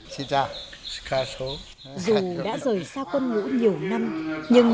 dù đã rời xa quân ngũ nhiều năm nhưng những người đồng đội cũ trên đường này vẫn còn lại